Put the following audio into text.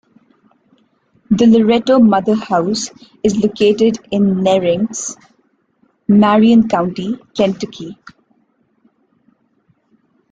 The Loretto Motherhouse is located in Nerinx, Marion County, Kentucky.